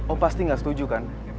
oh pasti gak setuju kan